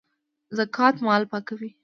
زکات مال پاکوي